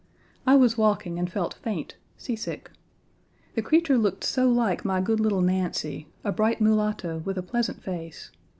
I was walking and felt faint, seasick. The creature looked so like my good little Nancy, a bright mulatto with a pleasant face.